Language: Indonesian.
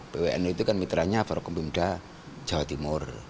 bwnu itu kan mitranya fahrul kempimda jawa timur